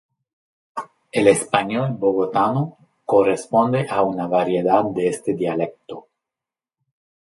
El español bogotano corresponde a una variedad de este dialecto.